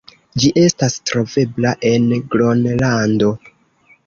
Ĝi estas trovebla en Gronlando.